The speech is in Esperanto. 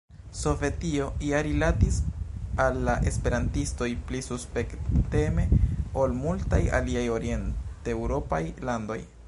Sovetio ja rilatis al la esperantistoj pli suspekteme ol multaj aliaj orienteŭropaj landoj.